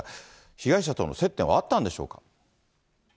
被害者との接点はあったんでしょうか。